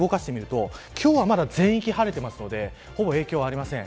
今日はまだ全域が晴れているのでほぼ影響はありません。